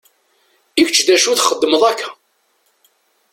I kečči d acu i txeddmeḍ akka?